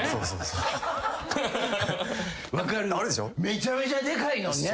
めちゃめちゃでかいのね。